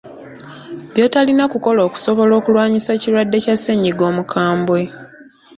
By’otalina kukola okusobola okulwanyisa ekirwadde kya ssennyiga omukambwe.